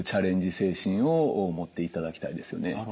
精神を持っていただきたいですよね。